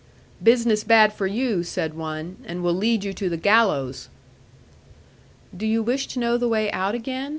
'Business bad for you,' said one, 'and will lead you to the gallows.' 'Do you wish to know the way out again?'